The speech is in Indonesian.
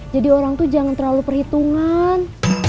jadi orang tuh jangan terlalu perhitungan